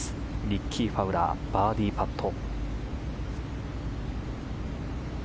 リッキー・ファウラーバーディーパット。